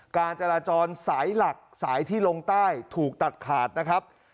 การจราจรสายหลักสายที่ลงใต้ถูกตัดขาดนะครับ